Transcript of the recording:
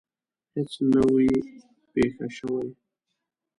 هیڅ نه وي پېښه شوې.